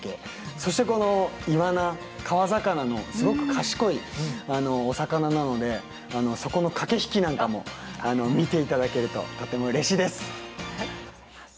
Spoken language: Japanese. そしてこのイワナ川魚のすごく賢いお魚なのでそこの駆け引きなんかも見ていただけるととてもうれしいです！